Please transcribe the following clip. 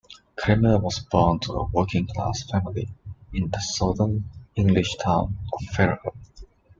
Cremer was born to a working-class family in the southern English town of Fareham.